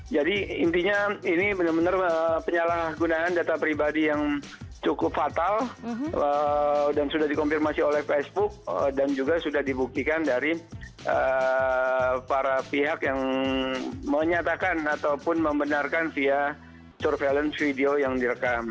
jadi intinya ini benar benar penyalahgunakan data pribadi yang cukup fatal dan sudah dikonfirmasi oleh facebook dan juga sudah dibuktikan dari para pihak yang menyatakan ataupun membenarkan via survei